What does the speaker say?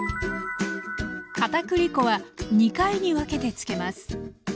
片栗粉は２回に分けてつけます。